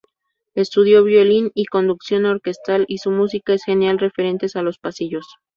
Estudió violín y conducción orquestal y su música es genial referentes a los pasillos.